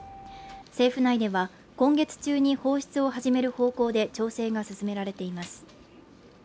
政府内では、今月中に放出を始める方向で調整が進められています。